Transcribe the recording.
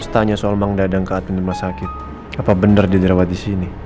tanya soal mang dadang keatmen rumah sakit apa benar diderawat di sini